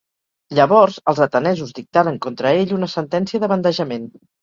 Llavors els atenesos dictaren contra ell una sentència de bandejament